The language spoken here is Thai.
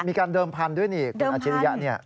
มีการเดิมพันธุ์ด้วยนี่คุณอาชิริยะเนี่ย